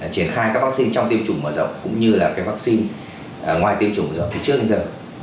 triển khai các vaccine trong tiêm chủ mở rộng cũng như là cái vaccine ngoài tiêm chủ mở rộng trước đến giờ